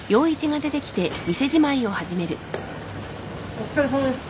お疲れさまです。